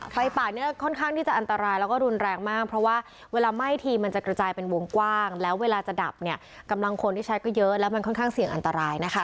ไฟป่านี้ค่อนข้างที่จะอันตรายแล้วก็รุนแรงมากเพราะว่าเวลาไหม้ทีมันจะกระจายเป็นวงกว้างแล้วเวลาจะดับเนี่ยกำลังคนที่ใช้ก็เยอะแล้วมันค่อนข้างเสี่ยงอันตรายนะคะ